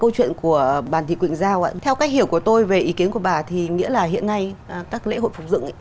cách hiểu của tôi về ý kiến của bà thì nghĩa là hiện nay các lễ hội phục dựng